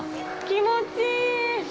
気持ちいい。